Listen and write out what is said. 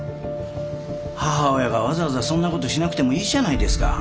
母親がわざわざそんなことしなくてもいいじゃないですか。